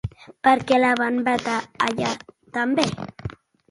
Per què la van vetar allà també?